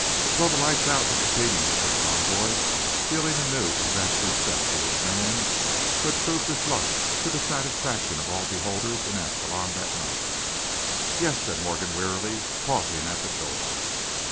"Well, the light's out up at Peden's," said Conboy, feeling a new and vast respect for this man who had proved his luck to the satisfaction of all beholders in Ascalon that night. "Yes," said Morgan, wearily, pausing at the door.